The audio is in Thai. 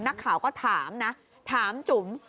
นักข่าวก็ถามนะถามจุ๋ม